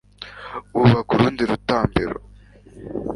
bubaka urundi rutambiro